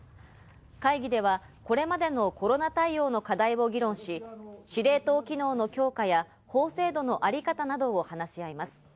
会議ではこれまでのコロナ対応の課題を議論し、司令塔機能の強化や法制度のあり方などを話し合います。